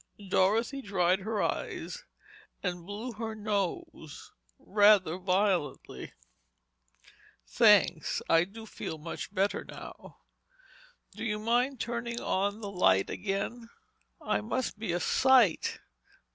Dorothy dried her eyes and blew her nose rather violently. "Thanks—I do feel much better now. Do you mind turning on the light again? I must be a sight.